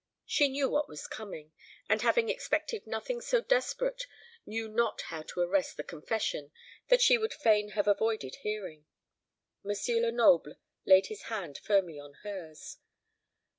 She knew what was coming, and having expected nothing so desperate, knew not how to arrest the confession that she would fain have avoided hearing. M. Lenoble laid his hand firmly on hers.